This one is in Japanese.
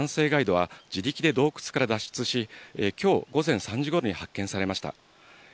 このうち客の女性と男性ガイドは自力で洞窟から脱出し、きょう午前３時ごろに発見されました。